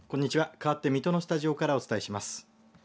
かわって水戸のスタジオからお伝えします。